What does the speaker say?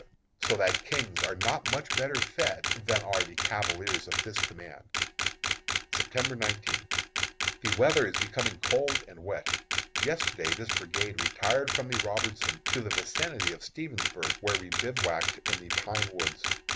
so that kings are not much better fed than are the cavaliers of this command. September 19. The weather is becoming cold and wet. Yesterday this brigade retired from the Robertson to the vicinity of Stevensburg, where we bivouacked in the pine woods.